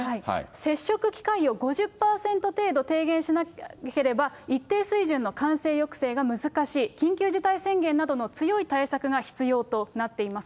接触機会を５０％程度低減しなければ、一定水準の感染抑制が難しい、緊急事態宣言などの強い対策が必要となっています。